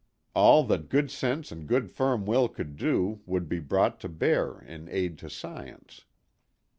All that good sense and good firm will could do would be brought to bear in aid to science.